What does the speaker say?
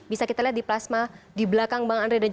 bisa kita lihat di plasma di belakang bang andre